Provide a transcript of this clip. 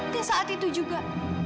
di saat itu juga